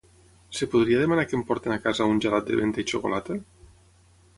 Es podria demanar que em portin a casa un gelat de menta i xocolata?